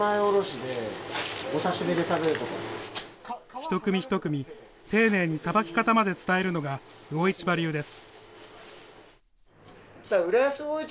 一組一組、丁寧にさばき方まで伝えるのが魚市場流です。